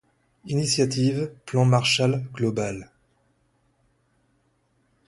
Initiative Plan Marshall global.